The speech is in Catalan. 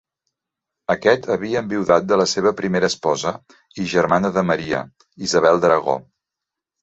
Aquest havia enviudat de la seva primera esposa, i germana de Maria, Isabel d'Aragó.